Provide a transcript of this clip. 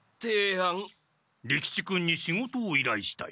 利吉君に仕事をいらいしたい。